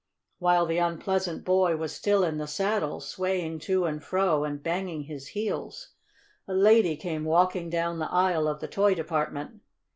While the unpleasant boy was still in the saddle, swaying to and fro and banging his heels, a lady came walking down the aisle of the toy department.